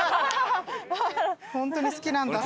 本当に好きなんだ。